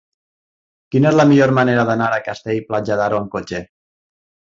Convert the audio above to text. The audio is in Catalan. Quina és la millor manera d'anar a Castell-Platja d'Aro amb cotxe?